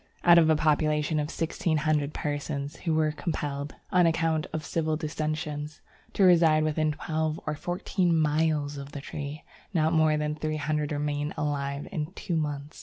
Out of a population of sixteen hundred persons who were compelled, on account of civil dissensions, to reside within twelve or fourteen miles of the tree, not more than three hundred remained alive in two months.